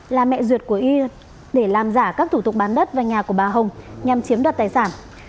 là mẹ ruột của ya để làm giả các thủ tục bán đất và nhà của bà hồng nhằm chiếm đoạt tài sản